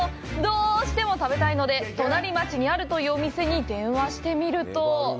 どうしても食べたいので隣町にあるというお店に電話してみると。